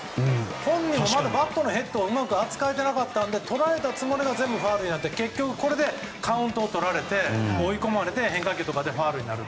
本人もバットのヘッドをうまく扱えなかったので捉えたつもりがファウルになって結局、これでカウントをとられて追い込まれて変化球でファウルになる。